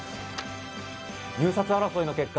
入札争いの結果